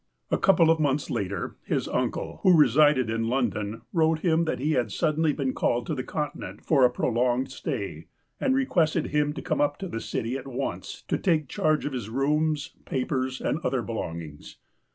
A couple of months later, his uncle, who resided in London, wrote him that he had suddenly been called to the continent for a prolonged stay, and requested him to come up to the city at once to take charge of his rooms, papers, and other belongings.